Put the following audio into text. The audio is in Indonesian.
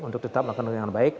tetap melakukan hal yang baik